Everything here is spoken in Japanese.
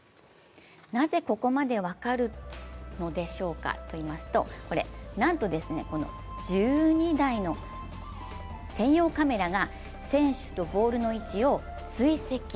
なぜここまで分かるのでしょうかといいますとなんと、１２台の専用カメラが選手とボールの位置を追跡。